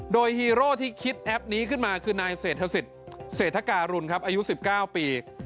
โดยฮีโร่ที่คิดแอปนี้ขึ้นมาคือนายเศรษฐศิษย์เศรษฐการุณครับอายุ๑๙ปี